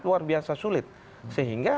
luar biasa sulit sehingga